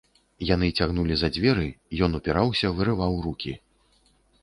Яны цягнулі за дзверы, ён упіраўся, вырываў рукі.